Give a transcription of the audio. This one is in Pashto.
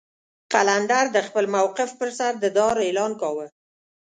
قلندر د خپل موقف پر سر د دار اعلان کاوه.